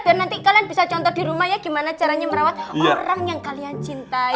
nanti kalian bisa contoh di rumah ya gimana caranya merawat orang yang kalian cintai